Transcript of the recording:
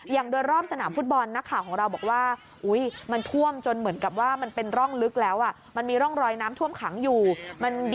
อย่างโดยรอบสนามฟุตบอลนักข่าวของเราบอกว่า